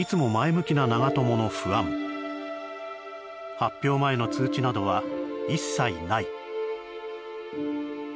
発表前の通知などは一切ない。